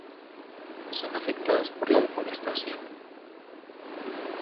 Son afectados por la deforestación.